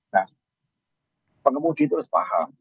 nah pengemudi itu harus paham